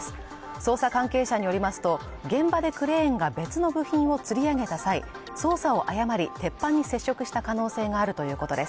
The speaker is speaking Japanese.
捜査関係者によりますと現場でクレーンが別の部品を吊り上げた際操作を誤り鉄板に接触した可能性があるということです